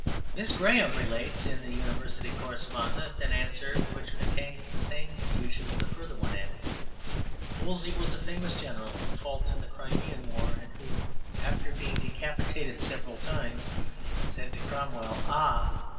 '' Miss Graham relates in the University Correspondent an answer which contains the same confusion with a further one added: ``Wolsey was a famous general who fought in the Crimean War, and who, after being decapitated several times, said to Cromwell, Ah!